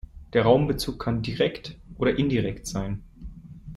Der Raumbezug kann direkt oder indirekt sein.